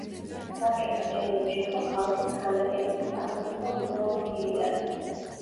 საბჭოთა პერიოდში იყო ქალაქის ქანდაკებების სახელმწიფო მუზეუმის ფილიალი.